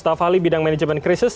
staff ahli bidang manajemen krisis